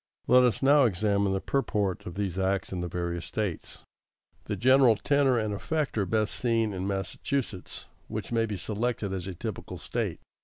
= Let us now examine the purport of these acts in the various States. The general tenor and effect are best seen in Massachusetts, which may be selected as a typical State.